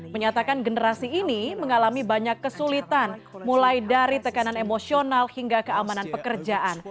menyatakan generasi ini mengalami banyak kesulitan mulai dari tekanan emosional hingga keamanan pekerjaan